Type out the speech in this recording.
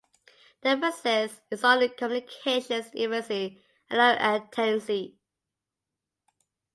The emphasis is on communications efficiency, and low latency.